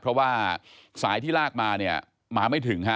เพราะว่าสายที่ลากมามาไม่ถึง